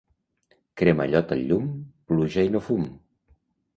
Cremallot al llum, pluja i no fum.